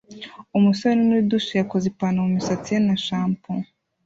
Umusore uri muri douche yakoze ipanaro mumisatsi ye na shampoo